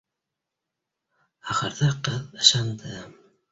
Ахырҙа ҡыҙ ышанды